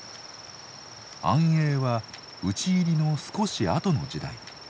安永は討ち入りの少しあとの時代。